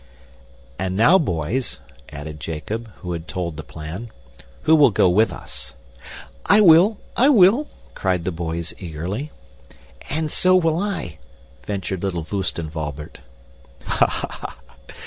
} "And now, boys," added Jacob, when he had told the plan, "who will go with us?" "I will! I will!" cried the boys eagerly. "And so will I," ventured little Voostenwalbert. "Ha! ha!"